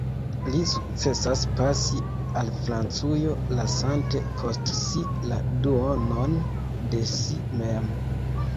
Li sukcesas pasi al Francujo, lasante post si la duonon de si mem.